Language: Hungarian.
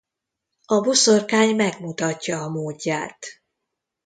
A boszorkány megmutatja a módját.